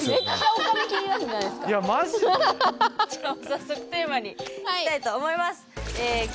早速テーマにいきたいと思います。